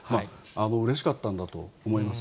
うれしかったんだと思います。